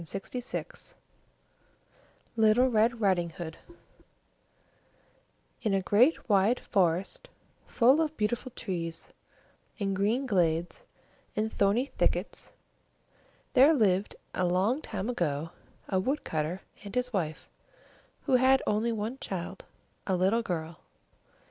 LITTLE RED RIDING HOOD In a great wide forest, full of beautiful trees, and green glades, and thorny thickets, there lived a long time ago a wood cutter and his wife, who had only one child, a little girl.